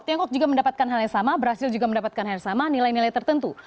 tiongkok juga mendapatkan hal yang sama brazil juga mendapatkan hal yang sama nilai nilai tertentu